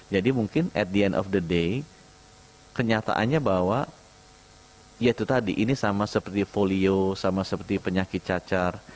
jadi mungkin at the end of the day kenyataannya bahwa ya itu tadi ini sama seperti polio sama seperti penyakit cacar